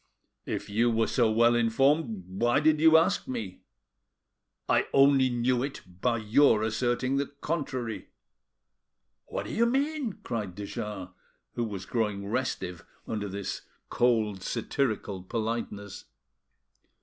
"If you were so well informed why did you ask me?" "I only knew it by your asserting the contrary." "What do you mean?" cried de Jars, who was growing restive under this cold, satirical politeness.